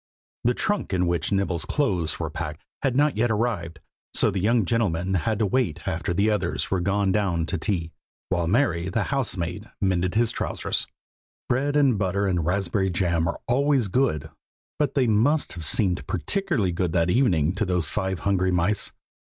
The trunk in which Nibble's clothes were packed had not yet arrived, so the young gentleman had to wait after the others were gone down to tea, while Mary, the housemaid, mended his trousers. Bread and butter and raspberry jam are always good, but they must have seemed particularly good that evening to those five hungry mice.